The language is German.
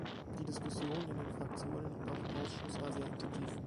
Die Diskussion in den Fraktionen und auch im Ausschuss war sehr intensiv.